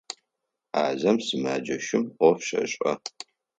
Ӏазэм сымэджэщым ӏоф щешӏэ.